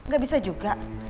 gak bisa juga